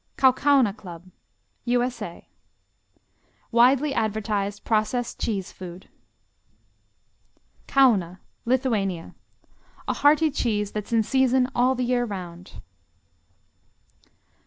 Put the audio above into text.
Kaukauna Club U.S.A. Widely advertised processed cheese food. Kauna Lithuania A hearty cheese that's in season all the year around.